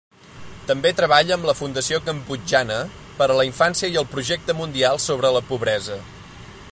També treballa amb la Fundació Cambodjana per a la Infància i el Projecte Mundial sobre la Pobresa.